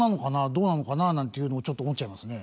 どうなのかななんていうのをちょっと思っちゃいますね。